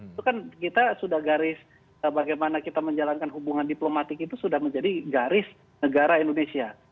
itu kan kita sudah garis bagaimana kita menjalankan hubungan diplomatik itu sudah menjadi garis negara indonesia